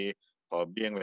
untuk bersama kami